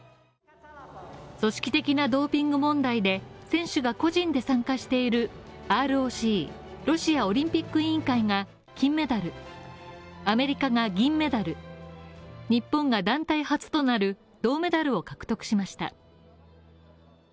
組織的なドーピング問題で選手が個人で参加しているＲＯＣ＝ロシアオリンピック委員会が金メダル、アメリカが銀メダル、日本が団体初となる銅メダルを獲得しました。